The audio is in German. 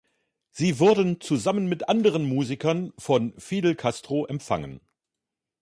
Sie wurden zusammen mit anderen Musikern von Fidel Castro empfangen.